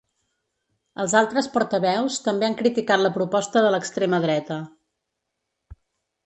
Els altres portaveus també han criticat la proposta de l’extrema dreta.